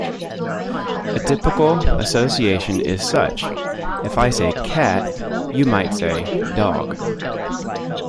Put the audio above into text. A typical association is such: if I say "cat", you might say "dog".